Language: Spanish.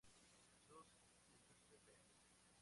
Sus spp.